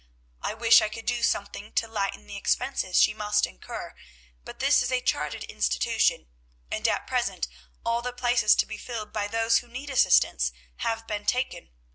I wish I could do something to lighten the expenses she must incur; but this is a chartered institution, and at present all the places to be filled by those who need assistance have been taken.